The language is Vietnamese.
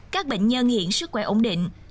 các bệnh nhân hiện sức khỏe ổn định